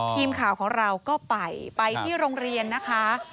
ทีมข่าวของเราก็ไปไปที่โรงเรียนนะคะ